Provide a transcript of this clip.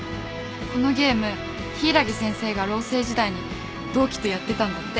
このゲーム柊木先生がロー生時代に同期とやってたんだって。